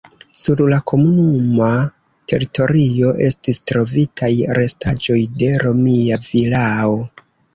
Sur la komunuma teritorio estis trovitaj restaĵoj de romia vilao.